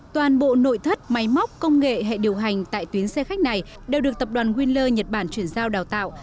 toàn bộ nội thất máy móc công nghệ hệ điều hành tại tuyến xe khách này đều được tập đoàn wheeler nhật bản chuyển giao đào tạo